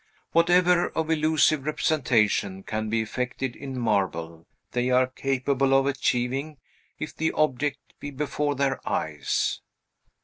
Whatever of illusive representation can be effected in marble, they are capable of achieving, if the object be before their eyes.